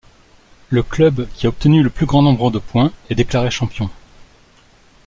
Le club qui a obtenu le plus grand nombre de points est déclaré champion.